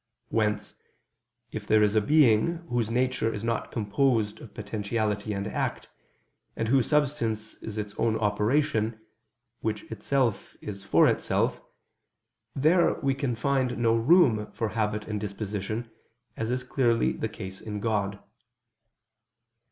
Whence, if there is a being whose nature is not composed of potentiality and act, and whose substance is its own operation, which itself is for itself, there we can find no room for habit and disposition, as is clearly the case in God.